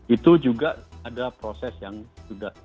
itu juga ada proses yang sudah